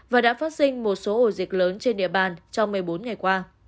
và đã phát sinh một số ổ dịch lớn trên địa bàn trong một mươi bốn ngày qua